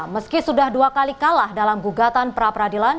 meski sudah dua kali kalah dalam gugatan pra peradilan